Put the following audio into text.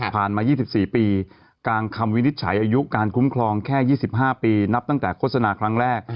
มา๒๔ปีกลางคำวินิจฉัยอายุการคุ้มครองแค่๒๕ปีนับตั้งแต่โฆษณาครั้งแรก